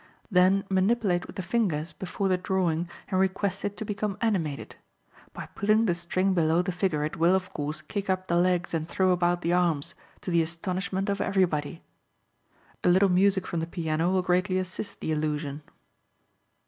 Then manipulate with the fingers before the drawing, and request it to become animated. By pulling the string below the figure it will, of course, kick up the legs and throw about the arms, to the astonishment of everybody. A little music from the piano will greatly assist the illusion.